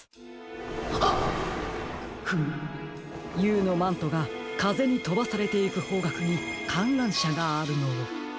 Ｕのマントがかぜにとばされていくほうがくにかんらんしゃがあるのを。